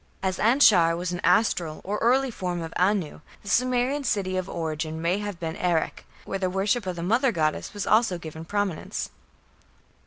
As Anshar was an astral or early form of Anu, the Sumerian city of origin may have been Erech, where the worship of the mother goddess was also given prominence.